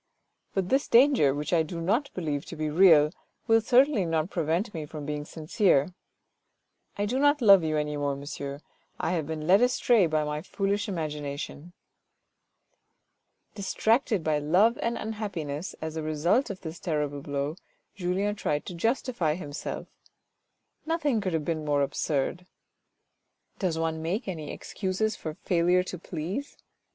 But this danger, which I do not believe to be real, will certainly not prevent me from being sincere. I do not love you any more, monsieur, I have been led astray by my foolish imagination." Distracted by love and unhappiness, as a result of this terrible blow, Julien tried to justify himself. Nothing could have been more absurd. Does one make any excuses for failure to please